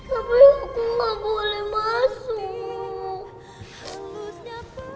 tapi aku gak boleh masuk